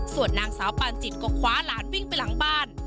ส่วนนางสาวปานจิตก็คว้าหลานวิ่งไปหลังบ้าน